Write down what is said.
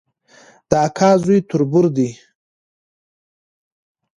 د اکا زوی تربور دی